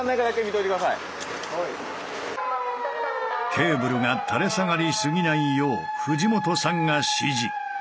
ケーブルが垂れ下がりすぎないよう藤本さんが指示。